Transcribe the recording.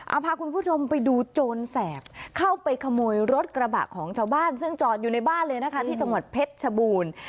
เอาพาคุณผู้ชมไปดูโจรแสบเข้าไปขโมยรถกระบะของชาวบ้านซึ่งจอดอยู่ในบ้านเลยนะคะที่จังหวัดเพชรชบูรณ์